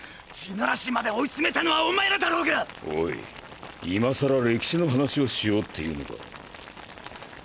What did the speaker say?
「地鳴らし」まで追い詰めたのはお前らだろうが⁉おい今更歴史の話をしようっていうのか？